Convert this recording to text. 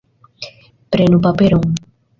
Prenu paperon.